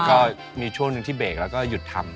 ก็มีช่วงหนึ่งที่เบรกแล้วก็หยุดทำ